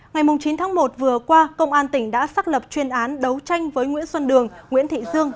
ngày chín tháng một vừa qua công an tỉnh đã xác lập chuyên án đấu tranh với nguyễn xuân đường nguyễn thị dương